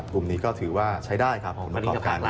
กลุ่มนี้ก็ถือว่าใช้ได้ผลประหลาดดี